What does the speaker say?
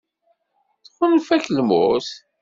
Tɣunfa-k lmut.